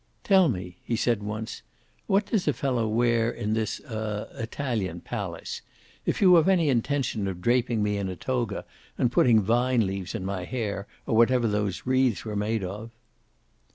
"Tell me," he said once, "what does a fellow wear in this er Italian palace? If you have any intention of draping me in a toga and putting vine leaves in my hair, or whatever those wreaths were made of